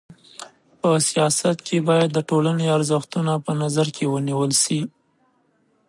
په سیاست کي بايد د ټولني ارزښتونه په نظر کي ونیول سي.